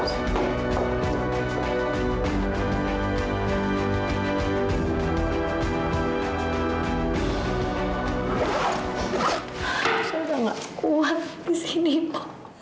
saya udah gak kuat di sini pak